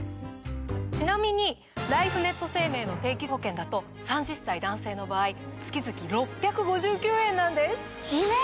ちなみにライフネット生命の定期保険だと３０歳男性の場合月々６５９円なんです！